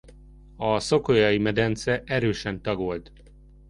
A Szokolyai-medence erősen tagolt.